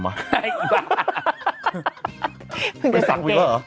พึ่งจะสักอีกแล้วเหรอ